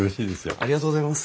ありがとうございます。